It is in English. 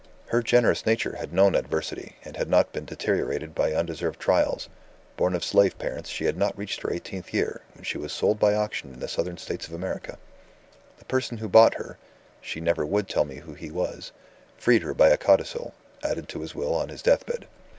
Her generous nature had known adversity, and had not been deteriorated by undeserved trials. Born of slave parents, she had not reached her eighteenth year, when she was sold by auction in the Southern States of America. The person who bought her (she never would tell me who he was) freed her by a codicil, added to his will on his deathbed.